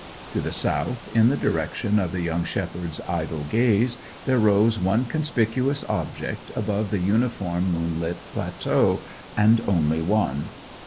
To the south, in the direction of the young shepherd's idle gaze, there rose one conspicuous object above the uniform moonlit plateau, and only one.